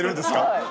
はい。